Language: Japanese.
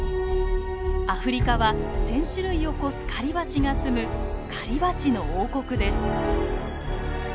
アフリカは１，０００種類を超す狩りバチがすむ狩りバチの王国です。